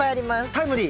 タイムリー？